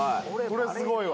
これすごいわ。